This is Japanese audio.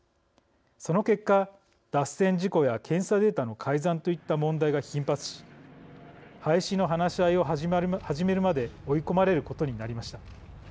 その結果脱線事故や検査データの改ざんといった問題が頻発し廃止の話し合いを始めるまで追い込まれることになりました。